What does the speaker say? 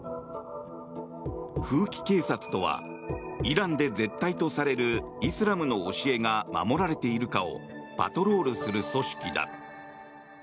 風紀警察とはイランで絶対とされるイスラムの教えが守られているかをパトロールする組織だ。